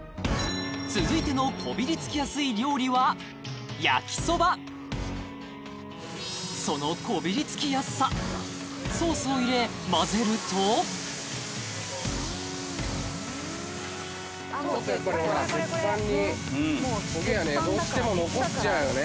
続いてのこびりつきやすい料理は焼きそばそのこびりつきやすさソースを入れ混ぜると鉄板にコゲがねどうしても残っちゃうよね